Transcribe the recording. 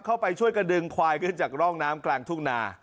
เข้าไปช่วยกระดึงควายขึ้นจากร่องน้ำกลางทุ่งนา